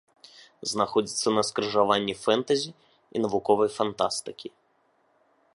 Знаходзіцца на скрыжаванні фэнтэзі і навуковай фантастыкі.